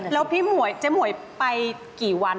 แล้วพี่หวยเจ๊หมวยไปกี่วัน